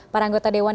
para anggota dewan